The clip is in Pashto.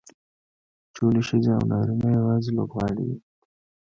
ټولې ښځې او نارینه یوازې لوبغاړي دي.